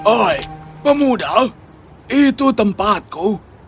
oi pemuda itu tempatku